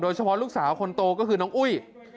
เฉพาะลูกสาวคนโตก็คือน้องอุ้ย